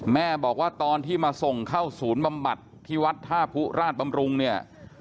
แม่บอกว่าตอนที่มาส่งเข้าศูนย์บำบัดที่วัดท่าผู้ราชบำรุงเนี่ย